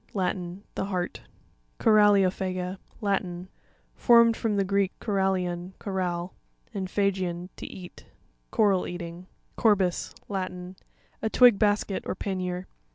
—Latin. The heart. Cora. opHaca. — Latin. Formed from the Greek, korallion, coral, and phagein, to eat. Coral eating. Cor'sis.— Latin. A twig basket, or pannier.